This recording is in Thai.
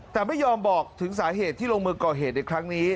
แต่ไม่ยอมบอกถึงสาเหตุที่ลงมือก่อเหตุในครั้งนี้